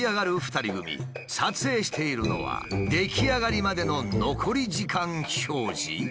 撮影しているのは出来上がりまでの残り時間表示？